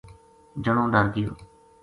جنو ڈر گیو۔